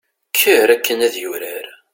kker akken ad yurar